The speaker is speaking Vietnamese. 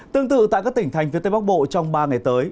tương tự tại các tỉnh thành phía tây bắc bộ trong ba ngày tới